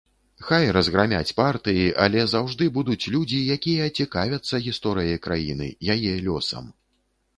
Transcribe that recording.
Хай разграмяць партыі, але заўжды будуць людзі, якія цікавяцца гісторыяй краіны, яе лёсам.